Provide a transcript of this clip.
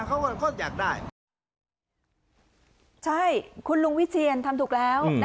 เขาก็เขาอยากได้ใช่คุณลุงวิเชียนทำถูกแล้วนะคะ